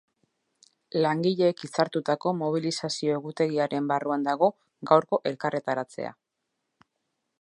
Langileek hitzartutako mobilizazio egutegiaren barruan dago gaurko elkarretaratzea.